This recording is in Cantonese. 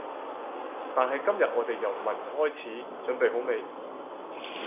但係今日我哋由聞開始，準備好未？